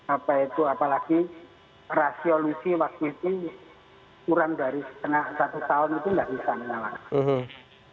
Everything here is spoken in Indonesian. apa itu apalagi rasio lusi waktu itu kurang dari setengah satu tahun itu tidak bisa menyalahkan